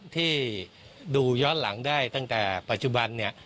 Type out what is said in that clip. ที่ดูย้อนหลังได้ตั้งแต่ปัจจุบันเนี่ย